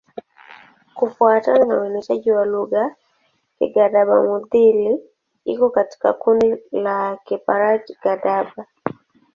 Kufuatana na uainishaji wa lugha, Kigadaba-Mudhili iko katika kundi la Kiparji-Gadaba.